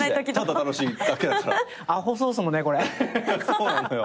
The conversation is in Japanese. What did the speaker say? そうなのよ。